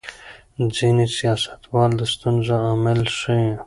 ځینې سیاستوال د ستونزو عامل ښيي.